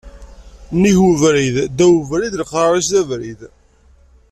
Nnig ubrid, ddaw ubrid, leqrar-is d abrid